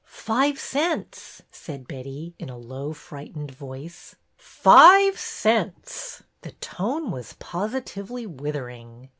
" Five cents! " said Betty, in a low, frightened voice. " Five cents !" The tone was positively wither ing.